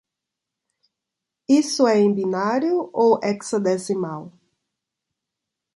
Isso é em binário ou hexadecimal?